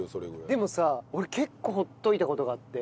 でもさ俺結構ほっといた事があって。